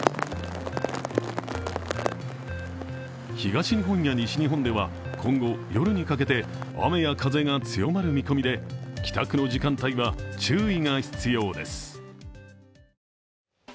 東日本や西日本では今後、夜にかけて雨や風が強まる見込みで、帰宅の時間帯は注意が必要です。